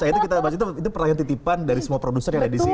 itu kita bahas itu pertanyaan titipan dari semua produser yang ada disini